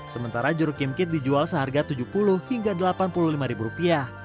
sementara jeruk kimkit dijual seharga rp tujuh puluh hingga rp delapan puluh lima